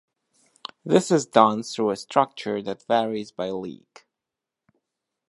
This is done through a structure that varies by league.